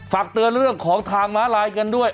ฝากเตือนเรื่องของทางม้าลายกันด้วย